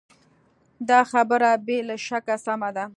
دا خبره بې له شکه سمه ده.